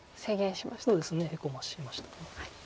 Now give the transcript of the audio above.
そうですねヘコましました。